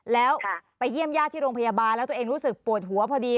แล้วไปเยี่ยมญาติที่โรงพยาบาลแล้วตัวเองรู้สึกปวดหัวพอดี